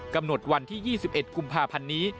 กำหนดวันที่๒๑กุมภาพันธ์นี้